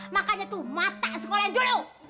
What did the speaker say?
makanya tuh mata sekolahin dulu